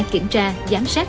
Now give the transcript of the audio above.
kiểm tra giám sát